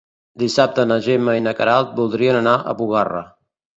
Dissabte na Gemma i na Queralt voldrien anar a Bugarra.